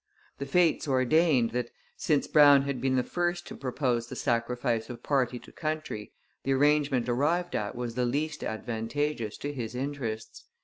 The fates ordained that, since Brown had been the first to propose the sacrifice of party to country, the arrangement arrived at was the least advantageous to his interests.